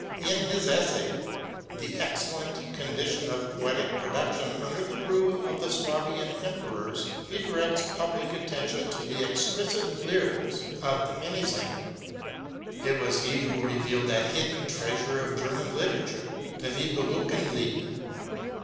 In his essay 'The Excellent Conditions for Poetic Production under the Rule of the Swabian Emperors,' he directs public attention to the exquisite lyrics of the Minnesänger. It was he who revealed that hidden treasure of German literature, the Nibelungenlied.